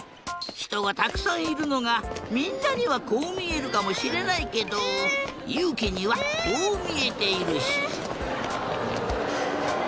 ひとがたくさんいるのがみんなにはこうみえるかもしれないけどゆうきにはこうみえているし。